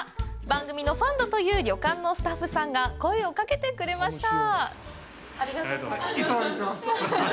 番組のファンだという旅館のスタッフさんが声をかけてくれました！